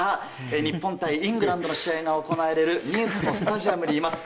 日本対イングランドの試合が行われるニースのスタジオにいます。